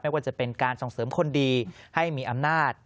ว่าจะเป็นการส่งเสริมคนดีให้มีอำนาจ